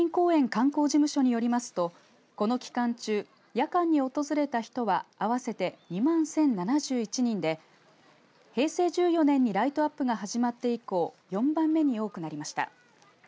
観光事務所によりますとこの期間中夜間に訪れた人は合わせて２万１０７１人で平成１４年にライトアップが始まって以降４番目に多くなりました。